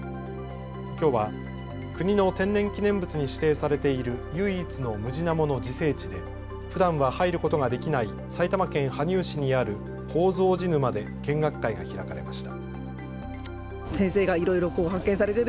きょうは国の天然記念物に指定されている唯一のムジナモの自生地でふだんは入ることができない埼玉県羽生市にある宝蔵寺沼で見学会が開かれました。